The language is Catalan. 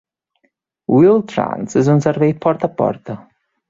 Wheel-Trans és un servei porta a porta.